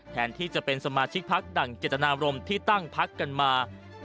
แทนที่จะเป็นสมาชิกพักดั่งเจตนาบรมที่ตั้งพักกันมา